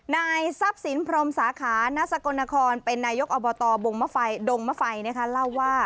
นายทรัพย์สินพรมสาขานัสกลนครเป็นนายกอบตบงดงมะไฟนะคะเล่าว่า